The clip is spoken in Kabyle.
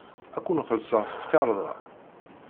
Ad ken-xellṣeɣ s tkarḍa.